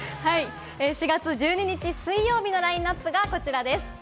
４月１２日、水曜日のラインナップが、まずこちらです。